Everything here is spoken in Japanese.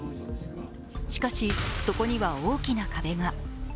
しかし、そこには大きな壁が。